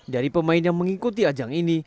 dari pemain yang mengikuti ajang ini